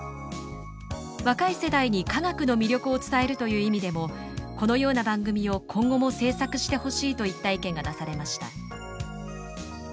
「若い世代に科学の魅力を伝えるという意味でもこのような番組を今後も制作してほしい」といった意見が出されました。